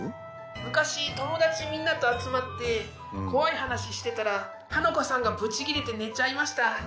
昔友達みんなと集まって怖い話してたらハナコさんがぶち切れて寝ちゃいました。